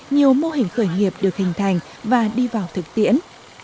nhiều mô hình khởi nghiệp được hình thành và đi vào thực tiễn